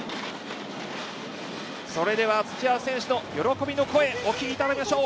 それでは土屋選手の喜びの声、お聞きいただきましょう。